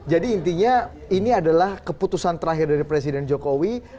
jadi intinya ini adalah keputusan terakhir dari presiden jokowi